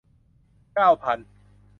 เก้าพัน